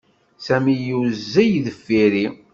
Sami yuzzel deffir-i.